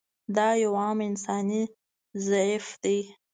دا یو عام انساني ضعف دی.